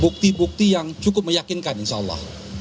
bukti bukti yang cukup meyakinkan insya allah